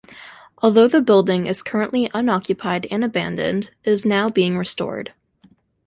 Although the building is currently unoccupied and abandoned, it is now being restored.